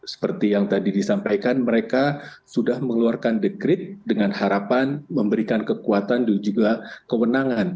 seperti yang tadi disampaikan mereka sudah mengeluarkan dekret dengan harapan memberikan kekuatan dan juga kewenangan